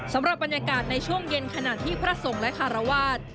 สำหรับบรรยากาศในช่วงเย็นขณะที่พระสงฆ์และคารวาส